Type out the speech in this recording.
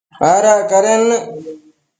Adac cadennec